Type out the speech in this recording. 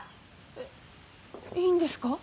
えっいいんですか？